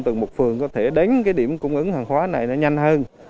từ một phường có thể đến cái điểm cung ứng hàng hóa này nó nhanh hơn